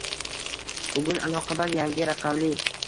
Bugun Aloqabank yangi raqamli